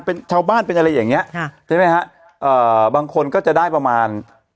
เป็นชาวบ้านเป็นอะไรอย่างเงี้ยค่ะใช่ไหมฮะเอ่อบางคนก็จะได้ประมาณ